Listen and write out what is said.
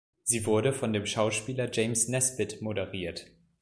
Sie wurde von dem Schauspieler James Nesbitt moderiert.